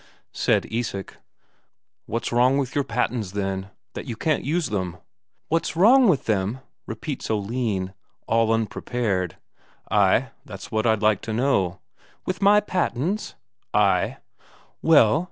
Said Isak: "What's wrong with your pattens, then, that you can't use them?" "What's wrong with them?" repeats Oline, all unprepared. "Ay, that's what I'd like to know." "With my pattens?" "Ay." "Well